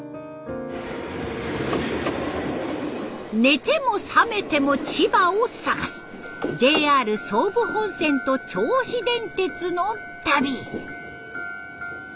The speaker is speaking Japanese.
「寝ても覚めても千葉」を探すＪＲ総武本線と銚子電鉄の旅。